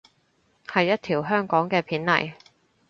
係一條香港嘅片嚟